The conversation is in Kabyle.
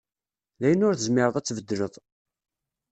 D ayen ur tezmireḍ ad tbeddleḍ.